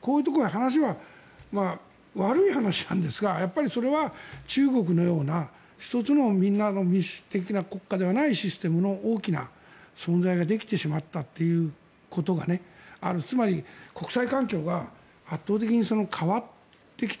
こういうところの話は悪い話なんですがそれは中国のような１つの民主的な国家ではないシステムの大きな存在ができてしまったということがあるつまり、国際環境が圧倒的に変わってきた。